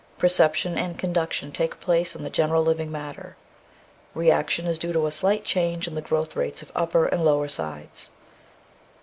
Perception and conduction take place in the general living matter; reaction is due to a slight change in the growth rates of upper and lower sides.